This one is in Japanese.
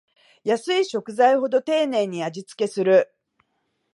安い食材ほど丁寧に味つけする